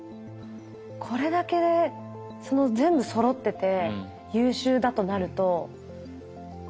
これだけ全部そろってて優秀だとなると。